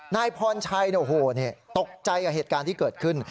นายพรชัยตกใจกับเหตุการณ์ที่เกิดขึ้น